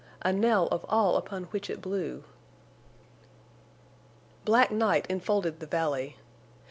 A knell of all upon which it blew! Black night enfolded the valley.